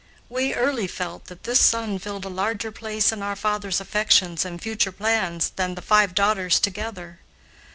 We early felt that this son filled a larger place in our father's affections and future plans than the five daughters together.